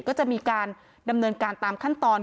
ก็จะมีการดำเนินการตามขั้นตอน